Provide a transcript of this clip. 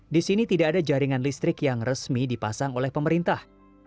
di sini tidak ada jaringan listrik yang resmi dipasang oleh pemerintah